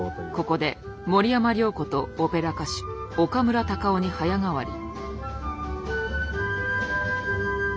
ここで森山良子とオペラ歌手岡村喬生に早変わり。